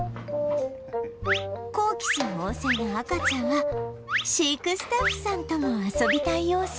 好奇心旺盛な赤ちゃんは飼育スタッフさんとも遊びたい様子